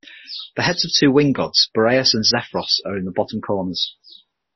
The heads of two wind-gods, Boreas and Zephyros, are in the bottom corners.